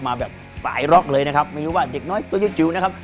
มาแบบสายร็อกเลยนะครับไม่รู้ว่าเด็กน้อยตัวยิวนะครับ